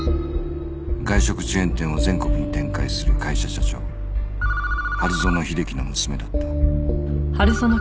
外食チェーン店を全国に展開する会社社長春薗秀紀の娘だった